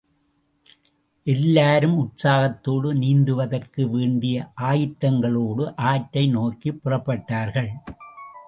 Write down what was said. எல்லாரும் உற்சாகத்தோடு நீந்துவதற்கு வேண்டிய ஆயத்தங்களோடு ஆற்றை நோக்கிப் புறப்பட்டார்கள்.